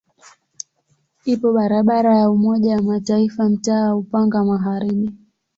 Ipo barabara ya Umoja wa Mataifa mtaa wa Upanga Magharibi.